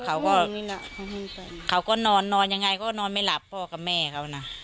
เขาก็นอนยังไงก็นอนไม่หลับพ่อกับแม่เขานะ